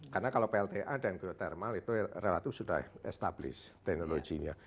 karena kalau plta dan biotermal itu relatu sudah established teknologinya